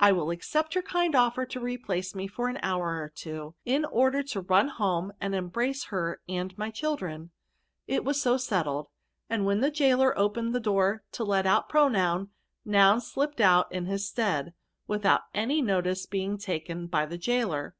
I will accept your kind offer to replace me fer an hour of twoj in order to run home and embrace her and my clnldren.^ it was so settled, and when the gaoler opened the door to let out Pronoun, Noun slipped out in his stead, without any notice being taken by the gaoler.